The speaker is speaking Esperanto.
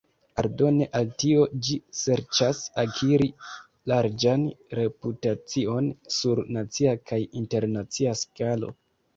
Aldone al tio, ĝi serĉas akiri larĝan reputacion sur nacia kaj internacia skalo.